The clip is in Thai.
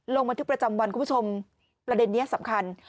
ลงบันทึกประจำวันคุณผู้ชมประเด็นนี้สำคัญ